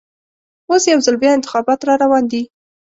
اوس یوځل بیا انتخابات راروان دي.